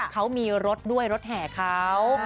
เขามีรถด้วยรถแห่เขา